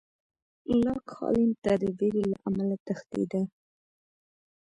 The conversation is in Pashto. لاک هالېنډ ته د وېرې له امله تښتېد.